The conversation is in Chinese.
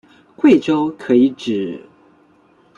贵州可以指